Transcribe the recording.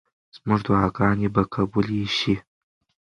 زموږ دعاګانې به قبولې شي.